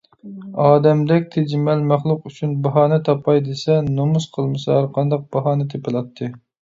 ئادەمدەك تىجىمەل مەخلۇق ئۈچۈن باھانە تاپاي دېسە، نومۇس قىلمىسا ھەرقانداق باھانە تېپىلاتتى.